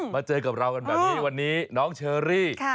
เจอกับเรากันแบบนี้วันนี้น้องเชอรี่